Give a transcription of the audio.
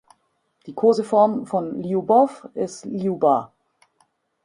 Die Koseform von Ljubow ist "Ljuba".